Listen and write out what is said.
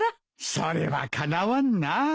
それはかなわんなあ。